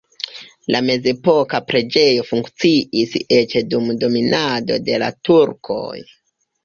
La mezepoka preĝejo funkciis eĉ dum dominado de la turkoj.